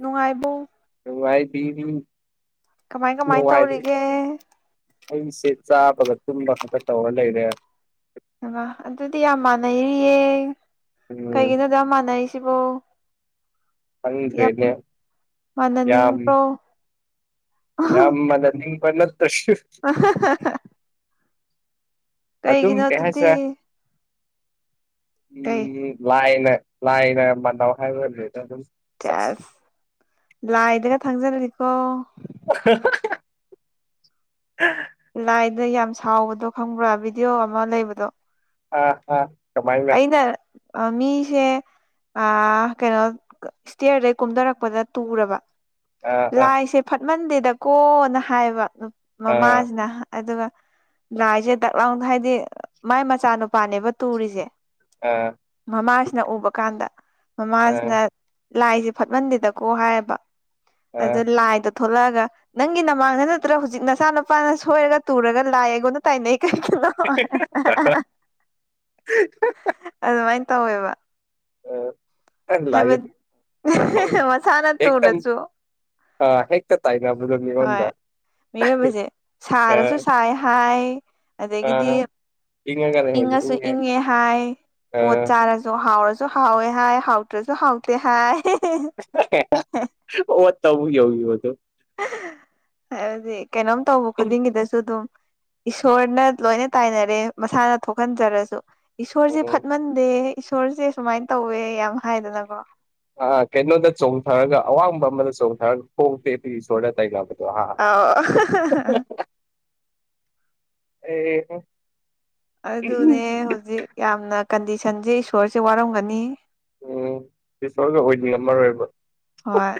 ꯅꯨꯡꯉꯥꯏꯕꯧ ꯅꯨꯡꯉꯥꯏꯗꯤ ꯀꯃꯥꯏ ꯀꯃꯥꯏ ꯃꯅꯨꯡꯉꯥꯏ ꯇꯧꯔꯤꯒꯦ ꯑꯩꯁꯦ ꯆꯥꯕꯒ ꯇꯨꯝꯕ ꯈꯛꯇ ꯇꯧꯔ ꯂꯩꯔꯦ ꯑꯗꯨꯗꯤ ꯌꯥꯝ ꯃꯥꯟꯅꯩꯔꯤꯌꯦ ꯎꯝ ꯀꯩꯒꯤꯅꯣꯗ ꯌꯥꯝ ꯃꯥꯟꯅꯔꯤꯁ ꯁꯤꯕꯨꯣ ꯌꯥꯝ ꯈꯪꯗ꯭ꯔꯦꯅꯦ ꯃꯥꯟꯅꯅꯤꯡꯕ꯭ꯔꯣ ꯌꯥꯝꯝ ꯃꯗ ꯄꯂ ꯑ ꯑ ꯑꯗꯨꯝ ꯑꯗꯨꯗꯤ ꯀꯍꯁ ꯀꯩ ꯎꯝ ꯂꯥꯏꯅꯦ ꯂꯥꯏꯅ ꯃꯥꯟ ꯍꯥꯏ ꯑꯣꯏ ꯑꯗꯨꯝ ꯆꯁ ꯂꯥꯏꯗꯒ ꯊꯪꯖꯔꯅꯤꯀꯣ ꯍ ꯂꯥꯏꯗ ꯌꯥꯝ ꯁꯥꯎꯕꯗꯣ ꯈꯪꯕ꯭ꯔꯥ ꯚꯤꯗꯤꯑꯣ ꯑꯃ ꯂꯩꯕꯗꯣ ꯑꯥ ꯑꯥ ꯀꯃꯥꯏꯅ ꯑꯃ ꯃꯤ ꯁꯦ ꯑ ꯀꯩꯅꯣ ꯏꯁꯇꯤꯌꯔꯗꯩ ꯀꯨꯝꯊꯔꯛꯄꯗ ꯇꯨꯔꯕ ꯑꯥ ꯑꯥ ꯂꯥꯏꯁꯦ ꯐꯠꯃꯟꯗꯦꯗ ꯀꯣꯅ ꯍꯥꯏꯕ ꯑꯥ ꯃꯃꯥꯁꯤꯅ ꯑꯗꯨꯒ ꯂꯥꯏꯁꯦ ꯇꯛꯂꯥꯎꯗ ꯍꯥꯏꯗꯤ ꯃꯥꯏ ꯃꯆꯥꯅꯨꯄꯥꯅꯦꯕ ꯇꯨꯔꯤꯁꯦ ꯑꯥ ꯃꯃꯥꯁꯤꯅ ꯎꯕ ꯀꯥꯟꯗ ꯑꯥ ꯃꯃꯥꯁꯤꯅ ꯂꯥꯏꯁꯦ ꯐꯠꯃꯟꯗꯦꯗꯀꯣ ꯍꯥꯏꯌꯦꯕ ꯑꯥ ꯑꯗꯨꯗ ꯂꯥꯏꯗ ꯊꯣꯛꯂꯛꯑꯒ ꯅꯪꯒꯤ ꯅꯃꯥꯡꯗ ꯅꯠꯇ꯭ꯔꯒ ꯍꯧꯖꯤꯛ ꯅꯆꯥꯥ ꯅꯨꯄꯥꯅ ꯁꯣꯏꯔꯒ ꯇꯨꯔꯒ ꯂꯥꯏꯑꯉꯣꯟꯅ ꯇꯥꯏꯅꯩ ꯀꯅꯣ ꯑꯗꯨꯃꯥꯏꯅ ꯇꯧꯋꯦꯕ ꯑ ꯂꯗꯝ ꯍꯥꯏꯕꯗꯤ ꯃꯁꯥꯅ ꯇꯨꯔꯁꯨ ꯑ ꯍꯦꯒ ꯇ ꯇꯥꯏꯅꯦꯕꯗꯅꯤ ꯋꯥꯟ ꯍꯣꯏ ꯃꯤꯑꯣꯏꯕꯁꯦ ꯁꯥꯔꯁꯨ ꯁꯥꯏ ꯍꯥꯏ ꯑꯗꯒꯤꯗꯤ ꯑꯥ ꯏꯪꯉꯒꯅ ꯍꯦꯟꯅ ꯏꯪꯉꯁꯨ ꯏꯪꯉꯦ ꯍꯥꯏ ꯄꯣꯠ ꯑꯥ ꯆꯥꯔꯁꯨ ꯍꯥꯎꯔꯁꯨ ꯁꯨ ꯍꯥꯎꯋꯦ ꯍꯥꯏ ꯍꯥꯎꯇ꯭ꯔꯁꯨ ꯍꯥꯎꯇꯦ ꯍꯥꯏ ꯑꯣ ꯇ ꯌ ꯌꯗꯨ ꯍꯥꯏꯕꯗꯤ ꯀꯩꯅꯣꯝ ꯇꯧꯕ ꯈꯨꯗꯤꯡꯒꯤꯗꯁꯨ ꯑꯗꯨꯝ ꯏꯁꯣꯔꯅ ꯂꯣꯏꯅ ꯇꯥꯏꯅꯔꯦ ꯃꯁꯥꯅ ꯊꯣꯛꯍꯟꯖꯔꯁꯨ ꯏꯁꯣꯔꯁꯦ ꯎꯝ ꯐꯠꯃꯟꯗꯦ ꯏꯁꯣꯔꯁꯦ ꯁꯨꯃꯥꯏꯅ ꯇꯧꯋꯦ ꯌꯥꯝ ꯍꯥꯏꯗꯅꯀꯣ ꯑꯥ ꯀꯩꯅꯣꯗ ꯆꯣꯡꯊꯔꯒ ꯑꯋꯥꯡꯕ ꯑꯃꯗ ꯆꯣꯡꯊꯔꯒ ꯍꯣꯡꯇꯦ ꯑꯗꯨ ꯏꯁꯣꯔꯗ ꯇꯥꯏꯒꯕ ꯑꯥꯎ ꯑꯦ ꯑꯗꯨꯅꯦ ꯍꯧꯖꯤꯛ ꯌꯥꯝꯅ ꯀꯟꯗꯤꯁꯟꯁꯦ ꯏꯁꯣꯔꯁꯦ ꯋꯥꯔꯝꯒꯅꯤ ꯎꯝ ꯏꯁꯁꯣꯔꯒ ꯍꯗꯤꯉꯝꯃꯔꯣꯏꯕ ꯍꯣꯏ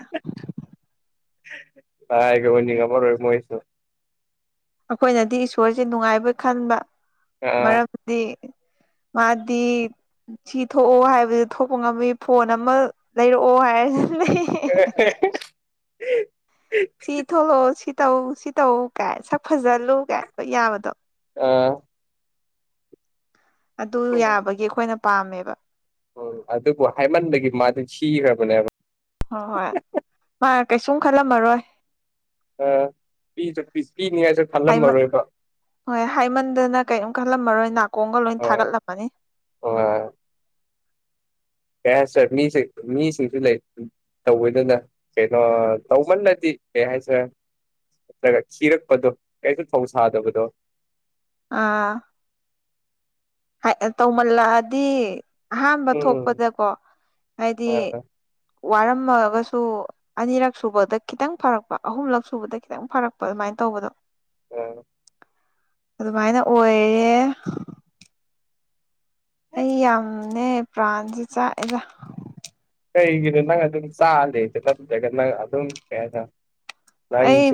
ꯇꯒꯅꯤ ꯀ ꯃꯔꯔ ꯑꯣꯏ ꯃꯣꯏꯁꯨ ꯑꯩꯈꯣꯏꯅꯗꯤ ꯏꯁꯣꯔꯁꯦ ꯅꯨꯡꯉꯥꯏꯕ ꯈꯟꯕ ꯑꯥ ꯃꯔꯝꯗꯤ ꯃꯥꯗꯤ ꯁꯤ ꯊꯣꯛꯑꯣ ꯍꯥꯏꯕꯗꯨ ꯊꯣꯛꯄ ꯉꯝꯃꯤ ꯐꯣꯟ ꯑꯃ ꯂꯩꯔꯛꯑꯣ ꯍꯥꯏꯔꯁꯨ ꯂꯩ ꯑ ꯁꯤ ꯊꯣꯛꯂꯛꯑꯣ ꯁꯤ ꯇꯧ ꯁꯤ ꯇꯧ ꯀꯥꯏ ꯁꯛ ꯐꯖꯜꯂꯨ ꯀꯥꯏ ꯌꯥꯕꯗꯣ ꯑꯥ ꯑꯗꯨ ꯌꯥꯕꯒꯤ ꯑꯩꯈꯣꯏꯅ ꯄꯥꯝꯃꯦꯕ ꯑꯣ ꯑꯗꯨꯕꯨ ꯍꯥꯏꯃꯟꯗꯒꯤ ꯃꯥꯗꯤ ꯁꯤꯈ꯭ꯔꯕꯅꯦꯕ ꯍꯣꯏ ꯍꯣꯏ ꯃꯥ ꯀꯩꯁꯨꯝ ꯈꯜꯂꯝꯃꯔꯣꯏ ꯑ ꯄꯁꯨ ꯄꯤꯁ ꯄꯤꯅꯤꯉꯥꯏꯁꯨ ꯍꯥꯏꯃꯟ ꯈꯜꯂꯝꯃꯔꯣꯏꯕ ꯍꯣꯏ ꯍꯥꯏꯃꯟꯗꯅ ꯀꯔꯤꯝ ꯈꯜꯂꯝꯃꯔꯣꯏ ꯅꯥꯀꯣꯡꯒ ꯂꯣꯏ ꯊꯥꯒꯠꯂꯝꯃꯅꯤ ꯑꯣ ꯀ ꯁꯔ ꯃꯤ ꯁꯤ ꯃꯤ ꯁꯤꯁꯤ ꯂꯩ ꯇꯧꯕꯤꯗꯨꯅ ꯀꯩꯅꯣ ꯇꯧꯃꯜꯂꯗꯤ ꯀꯩ ꯍꯥꯏꯁꯔꯦ ꯅꯠꯇ꯭ꯔꯒ ꯊꯤꯔꯛꯄꯗꯣ ꯀꯁꯨ ꯐꯧ ꯁꯥꯗꯕꯗꯣ ꯑꯥ ꯇꯧꯃꯜꯂꯛꯑꯗꯤ ꯑꯍꯥꯟꯕ ꯎꯝ ꯊꯣꯛꯄꯗꯀꯣ ꯍꯥꯏꯗꯤ ꯑꯥ ꯋꯥꯔꯝꯃꯒꯁꯨ ꯑꯅꯤꯔꯛ ꯁꯨꯕꯗ ꯈꯤꯇꯪ ꯐꯥꯔꯛꯄ ꯑꯍꯨꯝꯂꯛ ꯁꯨꯕꯗ ꯈꯤꯇꯪ ꯐꯔꯛꯄ ꯑꯗꯨꯃꯥꯏꯅ ꯇꯧ ꯇꯕꯗꯣ ꯑ ꯑꯗꯨꯃꯥꯏꯅ ꯑꯣꯏꯌꯦꯦ ꯑꯩ ꯌꯥꯝꯅꯦ ꯄ꯭ꯔꯥꯟꯁꯦ ꯆꯥꯛꯑꯦꯗ ꯀꯩꯒꯤꯅꯣ ꯅꯪ ꯑꯗꯨꯝ ꯆꯥꯂꯦ ꯅꯗꯒ ꯅꯪ ꯑꯗꯨꯝ ꯀꯩ ꯍꯥꯏꯅ ꯑꯩ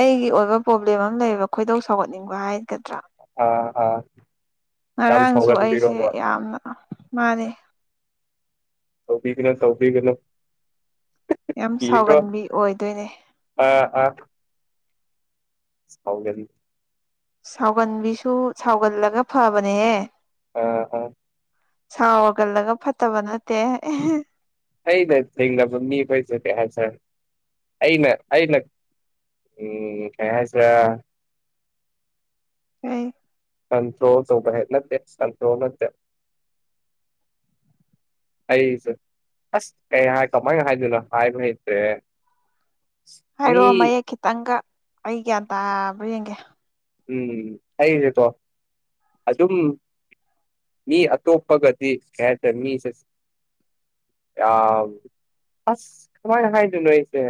ꯑꯩꯒꯤ ꯑꯣꯏꯕ ꯄ꯭ꯔꯣꯕ꯭ꯂꯦꯝ ꯑꯃ ꯂꯩꯌꯦꯕ ꯈꯣꯏꯗꯧ ꯁꯧꯒꯠꯅꯤꯡꯕ ꯍꯥꯏ ꯑ ꯑ ꯌꯥꯝ ꯉꯔꯥꯡꯁꯨ ꯑꯩꯁꯦ ꯁꯥꯎꯒꯟꯕꯤꯔꯣꯕ ꯌꯥꯝꯅ ꯃꯥꯅꯩ ꯇꯧꯕꯤꯒꯅ ꯇꯧꯕꯤꯒꯅꯣ ꯌꯥꯝ ꯌꯦꯣ ꯁꯥꯎꯒꯟꯕꯤ ꯑꯣꯏꯗꯣꯏꯅꯦ ꯑꯥ ꯑꯥ ꯁꯥꯎꯖꯔꯤ ꯁꯥꯎꯒꯟꯕꯤꯁꯨ ꯁꯥꯎꯒꯜꯂꯒ ꯐꯕꯅꯦꯍꯦ ꯑ ꯑ ꯁꯥꯥꯎ ꯋꯥꯒꯜꯂꯒ ꯐꯠꯇꯕ ꯅꯠꯇꯦ ꯑꯩ ꯅ ꯊꯗ ꯃꯤ ꯄꯩꯁ ꯀ ꯍꯥꯏꯁ ꯑꯩꯅ ꯑꯩꯅ ꯑꯦ ꯀꯩꯅꯁꯤ ꯎ ꯀꯟꯇ꯭ꯔꯣ ꯆꯧꯕ ꯍꯥꯏ ꯅꯠꯇ ꯁꯟꯇ꯭ꯔꯣ ꯅꯠꯇ ꯑꯩꯁꯨ ꯑꯁ ꯀꯩ ꯍꯥꯏ ꯀꯃꯥꯏꯅ ꯍꯥꯏꯗꯣꯏꯅꯣ ꯍꯥꯏꯕ ꯍꯩꯇꯦ ꯍꯥꯏꯔꯛꯑꯣ ꯃꯌꯦꯛ ꯈꯤꯇꯪꯒ ꯑꯩ ꯒ꯭ꯌꯥꯟ ꯇꯥꯕ ꯌꯦꯡꯒꯦ ꯎꯝ ꯑꯩꯁꯤꯀꯣ ꯑꯗꯨꯝ ꯃꯤ ꯑꯇꯣꯞꯄꯒꯗꯤ ꯍꯦꯇꯦ ꯃꯤꯁꯦ ꯑ ꯑꯁ ꯈꯃꯥꯏ ꯈꯉꯥꯏꯗꯨꯅꯣꯏꯁꯦ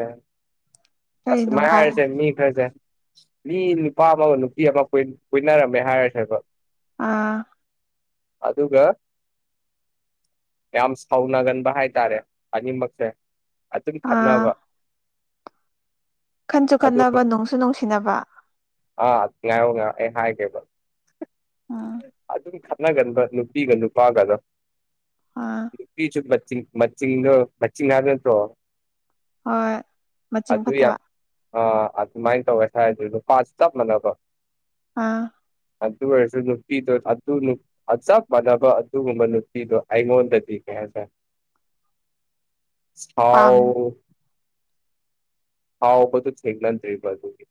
ꯑꯁ ꯀꯔꯤꯅꯣ ꯃ ꯍꯥꯏ ꯍꯥꯏꯖ ꯃꯤ ꯈꯔꯖ ꯃꯤ ꯅꯨꯄꯥ ꯑꯃꯒ ꯅꯨꯄꯤ ꯑꯃ ꯀꯣꯏꯅꯔꯝꯃꯦ ꯍꯥꯏꯔ ꯁꯕ ꯑꯥ ꯑꯗꯨꯒ ꯌꯥꯝ ꯁꯥꯎꯅꯒꯟꯕ ꯍꯥꯏꯇꯥꯔꯦ ꯑꯅꯤꯃꯛꯁꯦ ꯑꯗꯨꯝ ꯑꯥ ꯈꯠꯅꯕ ꯈꯟꯁꯨ ꯑꯗꯨ ꯈꯟꯅꯕ ꯅꯨꯡꯁꯨ ꯅꯨꯡꯁꯤꯅꯕ ꯑꯥ ꯀ ꯍꯥꯏꯥꯏ ꯀꯩꯕ ꯎꯝ ꯑꯗꯨꯝ ꯈꯠꯅꯒꯟꯕ ꯅꯨꯄꯤꯒ ꯅꯨꯄꯥꯒꯒ ꯑꯥ ꯅꯨꯄꯤꯁꯨ ꯃ ꯃꯆꯤꯡ ꯃꯆꯤꯤꯡꯥꯠꯇ꯭ꯔꯣ ꯍꯣꯏ ꯃꯆꯤꯟ ꯌꯥꯝ ꯐꯠꯇꯕ ꯑꯥ ꯑꯗꯨꯃꯥꯏꯅ ꯇꯧꯋꯦ ꯍꯥꯏꯗꯗ ꯄ ꯆꯞ ꯃꯥꯟꯅꯀꯣ ꯑꯥ ꯑ ꯑꯗꯨꯕꯁ ꯑꯗꯨ ꯅꯨꯄꯤꯗꯣ ꯑꯗꯨ ꯆꯞ ꯃꯥꯟꯅꯕ ꯑꯗꯨꯒꯨꯝꯕ ꯅꯨꯄꯤꯗꯣ ꯑꯩꯉꯣꯟꯗꯗꯤ ꯀꯩ ꯍꯥꯏꯇꯥꯦ [unintelligible] ꯍꯥꯎ ꯄꯥꯝ ꯍꯥꯎ ꯋꯥꯕꯗꯨ ꯍꯦꯒ꯭ꯂꯟ ꯇꯔꯤ ꯄꯒꯒꯤ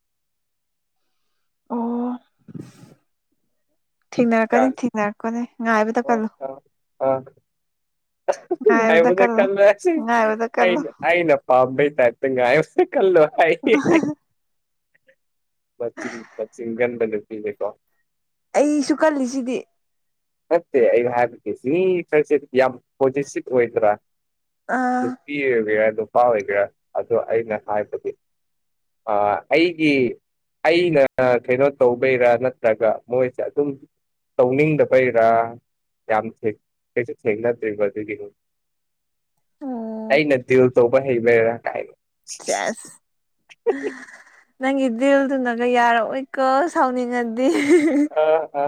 ꯑꯣ ꯊꯅꯔꯛꯀꯅꯤ ꯒ꯭ꯌꯥꯟ ꯊꯅꯔꯛꯀ ꯅꯅꯤ ꯉ ꯍꯥꯏꯕꯗ ꯄꯂꯣ ꯉꯌꯦꯃꯗ ꯀꯜꯂꯨ ꯀꯜꯂ ꯉꯥꯏꯕꯗ ꯑ ꯀꯜꯂꯨ ꯑꯩꯅ ꯄꯝꯕꯩ ꯇꯔꯠꯇ ꯉꯥꯏꯃ ꯀꯜꯂꯣ ꯍꯥꯏ ꯄ ꯄꯆꯤꯡꯒꯟꯕ ꯅꯨꯄꯤꯅꯦꯦꯀꯣ ꯑꯩꯁꯨ ꯀꯜꯂꯤꯁꯤꯗꯤ ꯅꯠꯇꯦ ꯑꯩꯩꯅ ꯍꯥꯏꯕꯗꯤ ꯁꯤꯁ ꯌꯥꯝ ꯄꯣꯁꯤꯠ ꯑꯣꯏꯗ꯭ꯔꯥ ꯑꯥ ꯅꯨꯄꯤ ꯑꯣꯏꯒꯦꯔꯥ ꯅꯨꯄꯥ ꯑꯣꯏꯒꯦꯔꯥ ꯑꯗ ꯑꯩꯅ ꯍꯥꯏꯕꯗꯤ ꯑ ꯑꯩꯒꯤ ꯑꯩꯅ ꯀꯩꯅꯣ ꯇꯧꯕꯩꯔꯥ ꯅꯠꯇ꯭ꯔꯒ ꯃꯣꯏꯁꯦ ꯑꯗꯨꯝ ꯇꯧꯅꯤꯡꯗꯕ ꯐꯩꯔꯥ ꯌꯥꯝ ꯀꯩꯁꯨ ꯊꯦꯡꯅꯗ꯭ꯔꯤꯕ ꯑꯗꯨꯒꯤꯅꯤ ꯑꯣ ꯑꯩꯅ ꯗꯤꯜ ꯇꯧꯕ ꯍꯩꯕꯔꯥ ꯀꯥꯏꯣ ꯆꯥꯁ ꯅꯪꯒꯤ ꯗꯤꯜꯗꯨꯅꯒ ꯌꯥꯔꯛꯑꯣꯏꯀꯣ ꯁꯥꯎꯅꯤꯡꯉꯗꯤ ꯑꯥ ꯑꯥ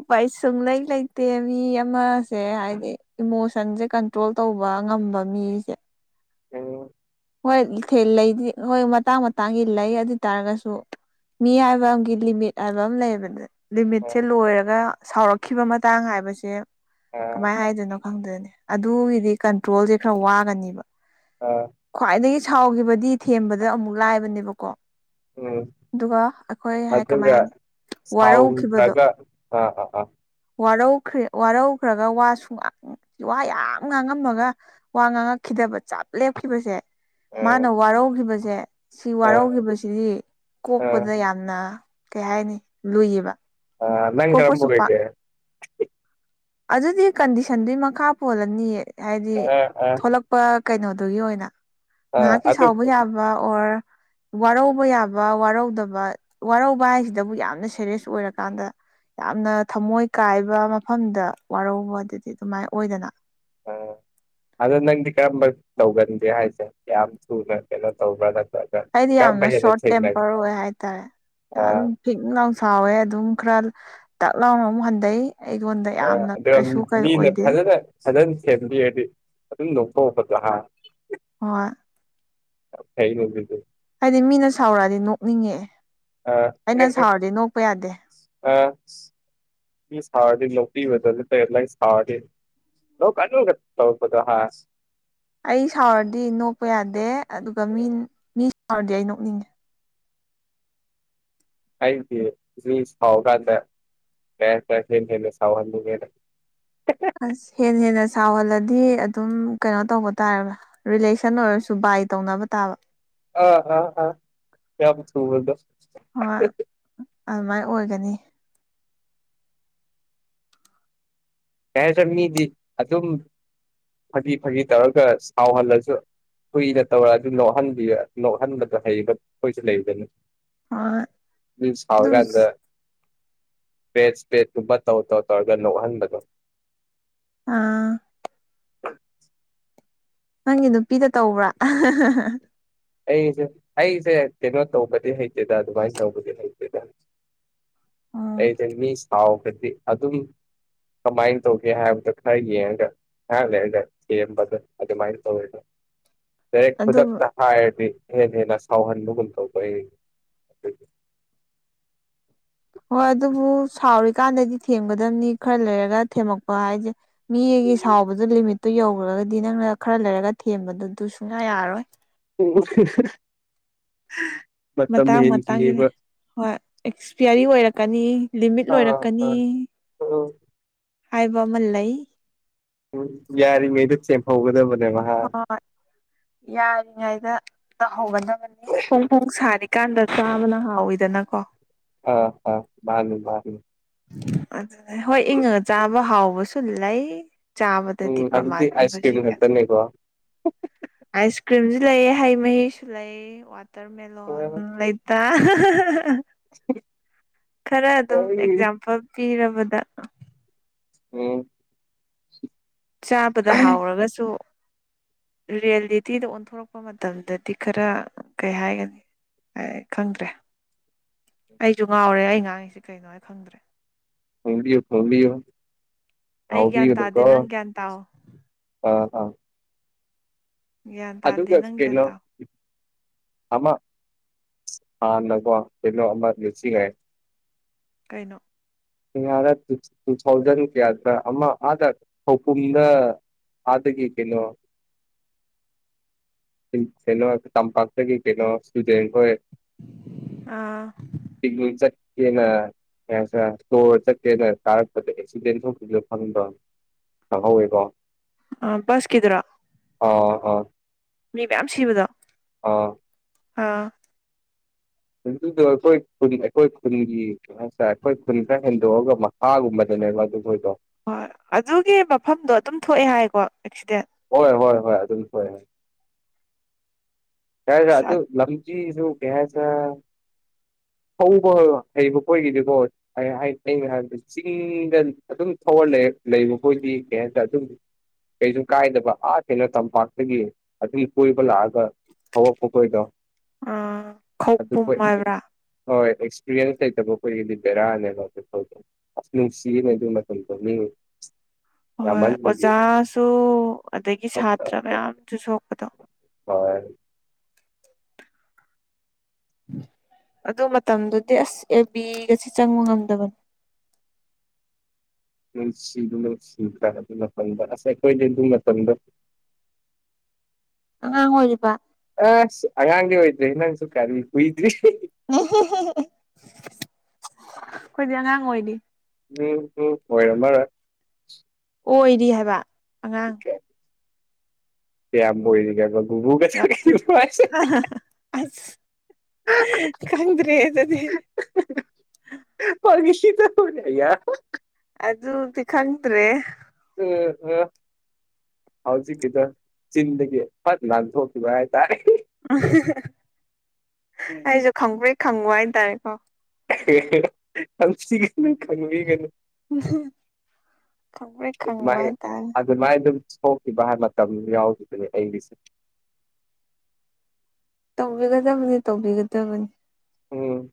ꯎ ꯥꯏ ꯁꯨꯡꯂꯩ ꯂꯩꯇꯦ ꯃꯤ ꯑꯃꯁꯦ ꯍꯥꯏꯗꯤ ꯏꯃꯣꯁꯟꯁꯦ ꯀꯟꯇ꯭ꯔꯣꯜ ꯇꯧꯕ ꯉꯝꯕ ꯃꯤꯁꯦ ꯑ ꯍꯣꯏ ꯂꯩꯗꯤ ꯍꯣꯏ ꯃꯇꯥꯡ ꯃꯇꯥꯡꯒꯤ ꯂꯩ ꯑꯗꯨ ꯑꯣꯏ ꯇꯥꯔꯒꯁꯨ ꯃꯤ ꯍꯥꯏꯕ ꯑ ꯂꯤꯃꯤꯠ ꯍꯥꯏꯕ ꯑꯃ ꯂꯩꯌꯦꯕꯅꯦ ꯑꯥ ꯂꯤꯃꯤꯠꯁꯦ ꯂꯣꯏꯔꯒ ꯁꯥꯎꯔꯛꯈꯤꯕ ꯃꯇꯥꯡ ꯍꯥꯏꯕꯁꯦ ꯑꯥ ꯀꯃꯥꯏꯅ ꯍꯥꯏꯗꯣꯏꯅꯣ ꯐꯪꯗꯅꯦ ꯑꯗꯨꯒꯤꯗꯤ ꯀꯟꯇ꯭ꯔꯣꯜꯁꯦ ꯈꯔ ꯋꯥꯒꯅꯤꯕ ꯑ ꯈ꯭ꯋꯥꯏꯗꯒꯤ ꯁꯥꯎꯈꯤꯕꯗꯤ ꯊꯦꯝꯕꯗ ꯑꯃꯨꯛ ꯂꯥꯏꯕꯅꯦꯕꯀꯣ ꯎꯝ ꯑꯗꯨꯒ ꯑꯩꯈꯣꯏ ꯍꯥꯏ ꯀꯃꯥꯏ ꯋꯥꯔꯧꯈꯤꯕꯗꯣ ꯁꯥꯎꯟꯒ ꯑꯥ ꯑ ꯑꯥ ꯋꯥꯔꯧꯈ꯭ꯔ ꯋꯥꯔꯧꯈ꯭ꯔꯒ ꯋꯥꯁꯨ ꯋꯥ ꯌꯥꯝ ꯉꯥꯡꯉꯝꯃꯒ ꯋꯥ ꯉꯥꯡꯉꯛꯈꯤꯗ ꯗꯕ ꯆꯞ ꯂꯦꯞꯈꯤꯕꯁꯦ ꯑꯥ ꯃꯥꯅ ꯋꯥꯔꯧꯈꯤꯕꯁꯦ ꯁꯤ ꯑꯥ ꯋꯥꯔꯧꯈꯤꯕꯁꯤꯗꯤ ꯑꯥ ꯀꯣꯛꯄꯗ ꯌꯥꯝꯅ ꯀꯩ ꯍꯥꯏꯅꯤ ꯂꯨꯏꯌꯦꯕ ꯑ ꯅꯪ ꯀꯣꯛꯄꯁꯨ ꯄꯥꯛ ꯀꯔꯝꯝꯕꯔꯦꯇꯦ ꯑꯗꯨꯗꯤ ꯀꯟꯗꯤꯁꯟꯗꯨꯒꯤ ꯃꯈꯥ ꯄꯣꯜꯂꯅꯤ ꯍꯥꯏꯗꯤ ꯑꯥ ꯑꯥ ꯊꯂꯛꯄ ꯀꯩꯅꯣꯗꯨꯒꯤ ꯑꯣꯏꯅ ꯑꯥ ꯉꯥꯏꯍꯥꯛꯀꯤ ꯑꯗꯨ ꯁꯥꯎꯕ ꯌꯥꯕ ꯑꯣꯔ ꯋꯥꯔꯧꯕ ꯌꯥꯕ ꯋꯥꯔꯧꯗꯕ ꯋꯥꯔꯧꯕ ꯍꯥꯏꯁꯤꯗꯕꯨ ꯌꯥꯝꯅ ꯁꯦꯔꯤꯌꯁ ꯑꯣꯏꯔꯀꯥꯟꯗ ꯌꯥꯝꯅ ꯊꯃꯣꯏ ꯀꯥꯏꯕ ꯃꯐꯝꯗ ꯋꯥꯔꯧꯕ ꯑꯗꯨꯗꯤ ꯑꯗꯨꯃꯥꯏ ꯑꯣꯏꯗꯅ [inaudible] ꯑꯥ ꯑꯗꯣ ꯅꯪꯗꯤ ꯀꯔꯝꯕ ꯇꯧꯒꯟꯒꯦ ꯍꯥꯏꯁꯦ ꯌꯥꯝ ꯊꯨꯅ ꯀꯩꯅꯣ ꯇꯧꯕ꯭ꯔꯥ ꯅꯠꯇ꯭ꯔꯒ ꯑꯩꯗꯤ ꯀꯔꯝꯕ ꯌꯥꯝꯅ ꯍꯦꯟꯅ ꯁꯣꯔꯠ ꯊꯦꯡꯅꯒꯦ ꯇꯦꯝꯄꯔ ꯑꯣꯏ ꯍꯥꯏꯇꯥꯔꯦ ꯑꯥ ꯑꯗꯨꯝ ꯐꯤꯛ ꯂꯥꯎ ꯁꯥꯎꯋꯦ ꯑꯗꯨꯝ ꯈꯔ ꯇꯥꯛ ꯂꯥꯎꯅ ꯑꯃꯨꯛ ꯍꯟꯊꯩ ꯑꯩꯉꯣꯟꯗ ꯑ ꯌꯥꯝꯅ ꯀꯩꯁꯨ ꯑꯗꯨ ꯀꯩ ꯃꯤ ꯑꯣꯏꯗꯦ ꯐꯜꯅꯥ ꯁꯗꯟ ꯐꯦꯃꯤꯂꯤ ꯍꯥꯏꯗꯤ ꯑꯗꯨꯝ ꯂꯧꯊꯣꯛꯄꯗꯣ ꯍꯥꯏ ꯍꯣꯏ ꯀꯩꯅ ꯑꯗꯨꯗ ꯍꯥꯏꯗꯤ ꯃꯤꯅ ꯁꯥꯎꯔꯛꯑꯗꯤ ꯅꯣꯛꯅꯤꯡꯉꯦꯑꯦ ꯑꯥ ꯑꯩꯅ ꯁꯥꯎꯔꯗꯤ ꯅꯣꯛꯄ ꯌꯥꯗꯦ ꯃꯤꯅꯥ ꯁꯥꯑꯣꯔꯗꯤ ꯅꯣꯀꯄꯤꯕꯗꯣ ꯅꯥꯠꯔꯥ ꯅꯡ ꯁꯥꯑꯣꯔꯗꯤ ꯅꯀꯥꯅꯨ ꯒꯥ ꯇꯧꯔꯛꯄꯗꯣ ꯍꯥ ꯑꯩ ꯁꯥꯎꯔꯗꯤ ꯅꯣꯛꯄ ꯌꯥꯗꯦ ꯑꯗꯨꯒ ꯃꯤ ꯃꯤ ꯁꯥꯎꯔꯗꯤ ꯑꯩ ꯅꯣꯛꯅꯤꯡꯉꯦ ꯑꯩꯗꯤ ꯃꯤ ꯁꯥꯑꯣꯔꯛꯟꯗ ꯄ ꯄ ꯁꯥꯎꯋꯥꯟ ꯑꯁ ꯍꯦꯅꯥ ꯍꯦꯅꯥꯁ ꯁꯥꯎꯍꯜꯂꯗꯤ ꯑꯗꯨꯝ ꯀꯩꯅꯣ ꯇꯧꯕ ꯇꯥꯔꯦꯕꯥ ꯔꯤꯂꯦꯁꯟ ꯑꯣꯏꯔꯁꯨ ꯕꯥꯏ ꯇꯧꯅꯕ ꯇꯥꯕ ꯑꯥ ꯑꯥ ꯑꯥ ꯌꯥꯝꯝ ꯊꯨꯕꯗꯣ ꯀꯩ ꯍꯣꯏ ꯑꯗꯨꯃꯥꯏꯅ ꯑꯣꯏꯒꯅꯤ ꯌꯥꯗ꯭ꯔ ꯃꯤꯗꯤ ꯑꯗꯨꯝ ꯐꯗꯤ ꯐꯗꯤ ꯇꯧꯔꯒ ꯁꯥꯎꯍꯜꯂꯁꯨ ꯀꯨꯏꯅ ꯇꯧꯔ ꯑꯗꯨ ꯅꯣꯛꯍꯟꯕꯤ ꯅꯣꯛꯍꯟꯕꯗꯣ ꯍꯩꯕ ꯑꯩꯈꯣꯏꯁꯨ ꯂꯩꯗꯅ ꯍꯣꯏ ꯃꯤ ꯑꯗꯨ ꯁꯕꯒꯗ ꯄꯦꯠꯦꯠ ꯇꯨꯝꯕ ꯇꯧꯔ ꯇꯧ ꯇꯧꯔꯒ ꯅꯣꯛꯍꯟꯕꯗꯣ ꯑꯥ ꯅꯪꯒꯤ ꯅꯨꯄꯤꯗ ꯇꯧꯕ꯭ꯔꯥ ꯑꯩꯁꯦ ꯑꯩꯁꯦ ꯀꯩꯅꯣ ꯇꯧꯕꯗꯤ ꯍꯩꯇꯦꯗ ꯑꯗꯨꯃꯥꯏ ꯇꯧꯕꯗꯤ ꯍꯩꯇꯦꯗ ꯑꯣ ꯑꯩꯗꯤ ꯃꯤ ꯁꯥꯎꯒꯗꯤ ꯑꯗꯨꯝ ꯀꯃꯥꯏꯟ ꯇꯧꯒꯦ ꯍꯥꯏꯕꯗ ꯈꯔꯒꯤ ꯉꯍꯥꯛ ꯂꯩ ꯂꯩ ꯊꯦꯝꯕꯗꯨ ꯑꯗꯨ ꯃꯥꯥꯏ ꯇꯧꯏ ꯑꯗꯣ ꯔꯛ ꯑꯗꯨ ꯃꯊꯛꯇꯥ ꯍꯥꯏꯔꯗꯤ ꯍꯦꯟꯅ ꯍꯦꯟꯅ ꯁꯥꯎꯍꯟꯕꯒꯨꯝ ꯇꯧꯕ ꯑꯩ ꯑꯗꯨꯗꯤ ꯍꯣꯏ ꯑꯗꯨꯕꯨ ꯁꯥꯎꯔꯤꯀꯥꯟꯗꯗꯤ ꯊꯦꯝꯒꯗꯕꯅꯤ ꯈꯔ ꯂꯩꯔꯒ ꯊꯦꯝꯃꯛꯄ ꯍꯥꯏꯁꯦ ꯃꯤ ꯑꯩꯒꯤ ꯁꯥꯎꯕꯗꯨ ꯂꯤꯃꯤꯠꯇꯨ ꯌꯧꯈ꯭ꯔꯒꯗꯤ ꯅꯪꯅ ꯈꯔ ꯂꯩꯔꯒ ꯊꯦꯝꯕꯗꯨꯗꯨ ꯁꯨꯡꯌꯥ ꯌꯥꯔꯣꯏ [inaudible] ꯃꯇꯥꯡ ꯃꯇꯥꯡꯒꯤꯅꯦ ꯍꯦꯟꯈꯤꯅꯦꯕ ꯍꯣꯏ ꯑꯦꯛꯁꯄꯤꯌꯥꯔꯤ ꯑꯣꯏꯔꯛꯀꯅꯤ ꯂꯤꯃꯤꯠ ꯑꯥ ꯂꯣꯏꯔꯛꯀꯅꯤ ꯑꯥ ꯎꯝ ꯍꯥꯏꯕ ꯑꯃꯜ ꯂꯩ ꯎꯝ ꯌꯥꯔꯤꯉꯩꯗ ꯁꯦꯝꯍꯧꯒꯗꯕꯅꯤ ꯍꯣꯏ ꯌꯥꯔꯤꯉꯩꯗ ꯇꯧꯍꯧꯒꯗꯕꯅꯤ ꯄꯨꯡ ꯄꯨꯡ ꯁꯥꯔꯤꯀꯥꯟꯗ ꯆꯥꯕꯅ ꯍꯥꯎꯋꯤꯗꯅꯀꯣ ꯑ ꯍ ꯃꯥꯅꯤ ꯃꯥꯅꯤ ꯑꯗꯨ ꯍꯣꯏ ꯏꯪꯉꯒ ꯆꯥꯕ ꯍꯥꯎꯕꯁꯨ ꯂꯩ ꯎꯝ ꯆꯥꯕꯗꯗꯤ ꯑꯗꯨꯗꯤ ꯄ꯭ꯔꯃꯥꯟ ꯑꯥꯏꯁ ꯄꯤꯕꯥꯁꯤ ꯀ꯭ꯔꯤꯝ ꯈꯛꯇꯅꯦꯀꯣ ꯑꯥ ꯑꯥꯏꯁ ꯀ꯭ꯔꯤꯝꯁ ꯂꯩ ꯍꯩ ꯃꯍꯤꯁꯨ ꯂꯩ ꯋꯥꯇꯔ ꯃꯦꯂꯣꯟ ꯂꯩꯇ [inaudible] ꯈꯔ ꯑꯗꯨꯝ ꯑꯩ ꯑꯦꯛꯖꯥꯝꯄꯜ ꯄꯤꯔꯕꯗ ꯎꯝ ꯆꯥꯕꯗ ꯍꯥꯎꯔꯒꯁꯨ ꯔꯤꯌꯦꯂꯤꯇꯤꯗ ꯑꯣꯟꯊꯣꯔꯛꯄ ꯃꯇꯝꯗꯗꯤ ꯈꯔ ꯀꯩ ꯍꯥꯏꯒꯅꯤ ꯑꯩ ꯈꯪꯗ꯭ꯔꯦ ꯑꯩꯁꯨ ꯉꯥꯎꯔꯦ ꯑꯩ ꯉꯥꯡꯉꯤꯁꯤ ꯀꯩꯅꯣ ꯍꯥꯏ ꯈꯪꯗ꯭ꯔꯦ ꯍꯣꯡꯕꯤꯌ ꯐꯣꯡꯕꯤ ꯑꯩ ꯒ꯭ꯌꯥꯟ ꯑꯥꯎꯕꯤꯀ ꯇꯥꯗꯦ ꯅꯪ ꯒ꯭ꯌꯥꯟ ꯇꯥꯎ ꯑ ꯑꯥ ꯌꯥ꯭ꯟ ꯇꯗꯦ ꯑꯗꯨꯒ ꯅꯪ ꯀ ꯀꯩꯅꯣ ꯇ ꯑꯃ ꯅꯣ ꯄꯦꯂꯣ ꯑ ꯂꯁꯤꯒ ꯀꯩꯅꯣ ꯥ ꯇꯨ ꯊꯥꯎꯖꯟ ꯀꯌꯥꯗ ꯑꯃ ꯑꯥꯗ ꯊꯧꯄꯨꯝꯗ ꯑꯗꯒꯤ ꯀꯩꯅꯣ ꯀꯩꯅꯣ ꯇꯝꯄꯥꯛꯇꯒꯤ ꯀꯩꯅꯣ ꯁꯨꯖꯦꯟꯈꯣꯏ ꯑꯥ ꯦꯅ ꯀꯣꯔ ꯆꯠꯀꯦꯅ ꯇꯥꯔꯛꯄꯗ ꯑꯦꯛꯁꯤꯗꯦꯟ ꯊꯣꯛꯇꯁꯨ ꯐꯪꯗ꯭ꯔ ꯑ ꯍꯋꯦꯀꯣ ꯑ ꯁ ꯀ ꯑꯗꯨ꯭ꯔꯥ ꯑ ꯑ ꯃꯤ ꯃꯌꯥꯝ ꯁꯤꯕꯗꯣ ꯑꯥ ꯑꯥ ꯑꯗꯨꯗꯣ ꯑꯩꯈꯣꯏ ꯈꯨ ꯑꯩꯈꯣꯏ ꯈꯨꯟꯒꯤ ꯀꯩꯅꯣ ꯍꯥꯏꯔꯦ ꯑꯩꯈꯣꯏ ꯈꯨꯟ ꯈꯔ ꯍꯦꯟꯗꯣꯛꯑꯒ ꯃꯈꯥꯒꯨꯝꯕꯅꯦ ꯇ ꯍꯣꯏꯣ ꯍꯣꯏ ꯑꯗꯨꯒꯤ ꯃꯐꯝꯗꯣ ꯑꯗꯨꯝ ꯊꯣꯛꯑꯦ ꯍꯥꯏꯀꯣ ꯑꯦꯛꯁꯤꯗꯦꯟ ꯍꯣꯏ ꯍꯣꯏ ꯍꯣꯏ ꯑꯗꯨꯝ ꯍꯣꯏ ꯍꯣꯏ ꯌꯥ ꯑꯗꯨ ꯂꯝꯆ ꯁꯨ ꯀꯦꯁ ꯑꯟꯑꯣꯗꯤꯕꯜ ꯊꯧꯕ ꯍꯩꯕ ꯀꯣꯏꯒꯤꯗꯤꯀꯣ ꯑꯩꯅꯣ ꯍꯥꯏꯕꯗ ꯆꯤꯡꯗ ꯑꯗꯨꯝ ꯊꯧꯍꯜꯂꯛꯑꯦ ꯂꯩꯕ ꯑꯩꯣꯏꯗꯤ ꯀꯩ ꯍꯥꯏꯇꯥ ꯑꯗꯨꯝꯗꯤ ꯀꯩꯁꯨ ꯀꯥꯏꯗꯕ ꯑꯥ ꯀꯦꯅꯣ ꯇꯝꯄꯥꯛꯇꯒꯤ ꯑꯗꯨ ꯀꯣꯏꯕ ꯂꯥꯛꯑꯒ ꯍꯧꯕꯛꯄ ꯀꯣꯏꯗꯣ ꯑ ꯑꯗꯨ ꯈꯧꯄꯨꯝ ꯍꯣꯏ ꯍꯥꯏꯕ꯭ꯔꯥ ꯑꯦꯛꯁꯄꯤꯔꯤꯟꯁ ꯊ ꯇꯕꯣ ꯀꯣꯏꯒꯤꯗꯤꯗꯦꯔ ꯅ ꯐꯧꯗ ꯅꯨꯡꯁꯤꯅꯦ ꯑꯗꯨ ꯃꯀꯣꯅꯤ ꯍꯣꯏ ꯑꯣꯖꯥꯁꯨ ꯑꯗꯒꯤ ꯁꯥꯇ꯭ꯔ ꯃꯌꯥꯝꯁꯨ ꯁꯣꯛꯄꯗꯣ ꯍꯣꯏ ꯑꯗꯨ ꯃꯇꯝꯗꯨꯗꯤ ꯑꯦꯁ ꯑꯦ ꯕꯤꯒꯁꯤ ꯆꯪꯕ ꯉꯝꯗꯕꯅꯤ ꯑꯟꯑꯣꯗꯤꯕꯜ ꯎꯝ ꯁꯤꯗ ꯁꯤꯗ꯭ꯔꯥ ꯑꯗꯨ ꯃꯇꯝꯗ ꯑꯁꯥꯏ ꯑꯩꯈꯣꯏꯅꯦ ꯑꯗꯨ ꯃꯇꯝꯗ ꯑ ꯍꯣꯕ ꯑ ꯑꯥꯡꯦ ꯍꯣꯏꯗ꯭ꯔꯦ ꯏ ꯅꯪꯁꯨ ꯀꯔꯔꯤ ꯍꯣꯏꯗ꯭ꯔꯤ ꯑꯩꯈꯣꯏꯗꯤ ꯑꯉꯥꯡ ꯑꯣꯏꯔꯤ ꯎꯝ ꯍꯣꯏꯔꯔ ꯑꯣꯏꯔꯤ ꯍꯥꯏꯕ ꯑꯉꯥꯡ ꯀꯣꯣꯏꯒꯦꯒꯨꯕꯕꯨ ꯀꯆꯥ ꯌꯥꯝ ꯊꯤ ꯑꯁ ꯈꯪꯗ꯭ꯔꯦ ꯑꯗꯨꯗꯤ ꯄꯃꯤꯁꯤ ꯆ ꯊꯅꯦ ꯌꯥ ꯑꯗꯨ ꯑꯗꯨꯗꯤ ꯈꯪꯗ꯭ꯔꯦ ꯎꯝ ꯎꯝ ꯍꯧꯖꯤꯛꯀꯤꯗ ꯆꯤꯟꯗꯒꯤ ꯐꯠ ꯅꯥꯟꯊꯣꯛꯈꯤꯕ ꯍꯥꯏꯇꯥꯔꯦ ꯎ ꯑꯩꯁꯨ ꯈꯪꯕꯩ ꯈꯪꯉꯨ ꯍꯥꯏꯇꯥꯔꯦꯀꯣ ꯑꯪꯁꯤ ꯀ ꯈꯪꯃꯤ ꯀꯅꯤ ꯑꯗꯨ ꯈꯪꯕ꯭ꯔꯦꯛ ꯈꯪꯉꯨ ꯑꯗꯨ ꯍꯥꯏꯇꯥꯔꯦ ꯑꯗꯨ ꯃꯥꯥꯏ ꯑꯗꯨꯝ ꯊꯣꯛꯈꯤꯕꯥꯏ ꯃꯇꯝ ꯌꯥꯎꯈꯤꯗꯨꯅꯦ ꯑꯩꯒꯤꯁꯦ ꯇꯧꯕꯤꯒꯗꯕꯅꯤ ꯇꯧꯕꯤꯒꯗꯕꯅꯤ ꯎꯝ